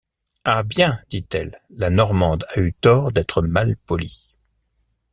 Ah bien! dit-elle, la Normande a eu tort d’être mal polie...